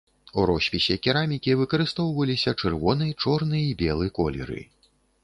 У роспісе керамікі выкарыстоўваліся чырвоны, чорны і белы колеры.